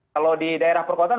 kalau di daerah perkotaan